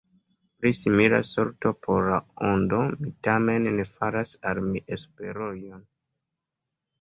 Pri simila sorto por La Ondo mi tamen ne faras al mi esperojn.